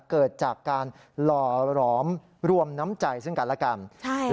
เกิดจากการหล่อหลอมรวมน้ำใจซึ่งกันและกัน